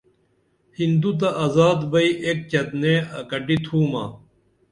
ہندو تہ ازاد بئی ایک چت نعے اکٹی تُھمہ